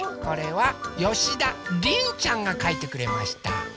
これはよしだりんちゃんがかいてくれました。